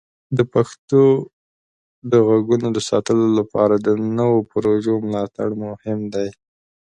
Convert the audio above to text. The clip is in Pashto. د پښتو د غږونو د ساتلو لپاره د نوو پروژو ملاتړ مهم دی.